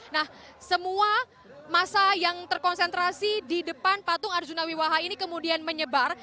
nah semua masa yang terkonsentrasi di depan patung arjuna wiwaha ini kemudian menyebar